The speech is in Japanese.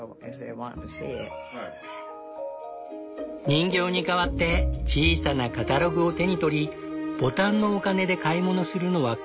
人形に代わって小さなカタログを手に取りボタンのお金で買い物するのは子どもたち。